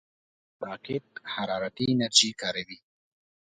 راکټ حرارتي انرژي کاروي